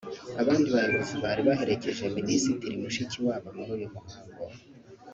Abandi bayobozi bari baherekeje Minisitiri Mushikiwabo muri uyu muhango